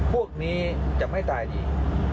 พวกนี้จะไม่ตายดี